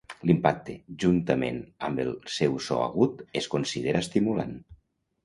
L'impacte, juntament amb el seu so agut, es considera estimulant.